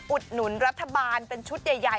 อุดหนุนรัฐบาลเป็นชุดใหญ่